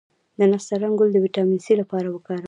د نسترن ګل د ویټامین سي لپاره وکاروئ